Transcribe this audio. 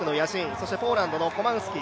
そしてポーランドのコマンスキ。